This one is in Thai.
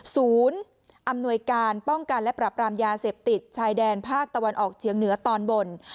ศูนย์อำนวยการป้องกันและปรับรามยาเสพติดชายแดนภาคตะวันออกเฉียงเหนือตอนบน